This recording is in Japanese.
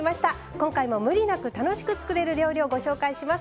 今回もムリなく楽しく作れる料理をご紹介します。